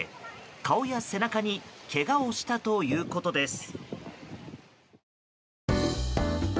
顔や背中にけがをしたということです。